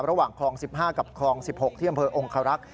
ระหว่างคลอง๑๕กับคลอง๑๖ที่อำเภอองคารักษ